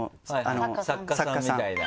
作家さんみたいな。